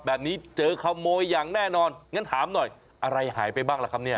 แบบนี้เจอขโมยอย่างแน่นอนงั้นถามหน่อยอะไรหายไปบ้างล่ะครับเนี่ย